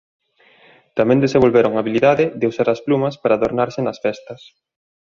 Tamén desenvolveron a habilidade de usar as plumas para adornarse nas festas.